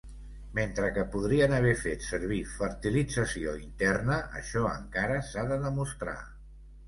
Mentre que podrien haver fet servir fertilització interna, això encara s'ha de demostrar.